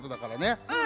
うん！